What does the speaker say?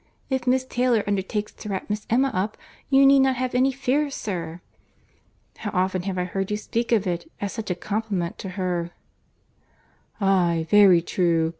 'If Miss Taylor undertakes to wrap Miss Emma up, you need not have any fears, sir.' How often have I heard you speak of it as such a compliment to her!" "Aye, very true. Mr.